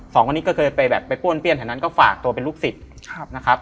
สองคนนี้ก็เคยไปแบบไปป้วนเปี้ยนแถวนั้นก็ฝากตัวเป็นลูกศิษย์นะครับ